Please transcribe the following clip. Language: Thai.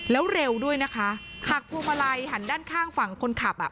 แล้วเร็วด้วยนะคะหักพวงมาลัยหันด้านข้างฝั่งคนขับอ่ะ